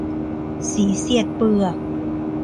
สีเสียดเปลือก